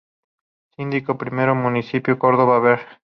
Síndico Primero, Municipio de Córdoba, Ver.